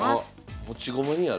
あっ持ち駒にある。